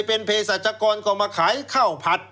เคยเป็นเพศสัตวคณก็มาขายข้าวผัก